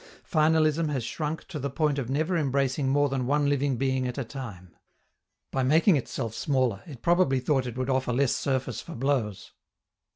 Finalism has shrunk to the point of never embracing more than one living being at a time. By making itself smaller, it probably thought it would offer less surface for blows.